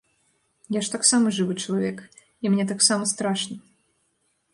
Я ж таксама жывы чалавек, і мне таксама страшна.